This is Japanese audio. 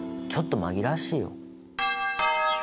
ちょっと紛らわしいよ。